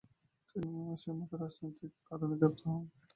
তিনি অসিমোতে রাজনৈতিক কারণে গ্রেফতার হন।